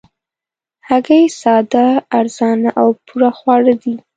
هګۍ ساده، ارزانه او پوره خواړه دي